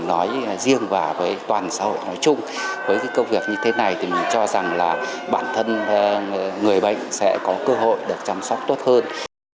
nói riêng và với toàn xã hội nói chung với cái công việc như thế này thì mình cho rằng là bản thân người bệnh sẽ có cơ hội được chăm sóc tốt hơn